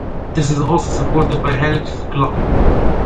This is also supported by Helix Cloaking.